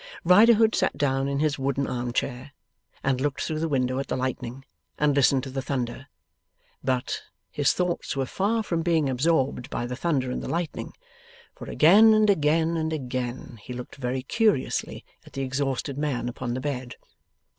Riderhood sat down in his wooden arm chair, and looked through the window at the lightning, and listened to the thunder. But, his thoughts were far from being absorbed by the thunder and the lightning, for again and again and again he looked very curiously at the exhausted man upon the bed.